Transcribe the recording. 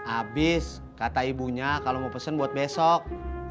abis kata ibunya kalau mau pesen buat besok